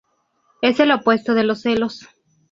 Es el opuesto de los celos.